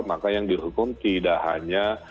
maka yang dihukum tidak hanya